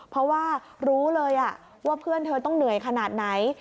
เพราะว่ารู้เลยว่าเพื่อนเธอต้องเหนื่อยขนาดไหน